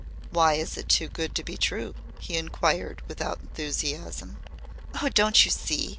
"Why is it too good to be true?" he inquired without enthusiasm. "Oh, don't you see?